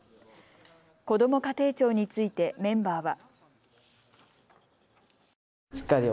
こども家庭庁についてメンバーは。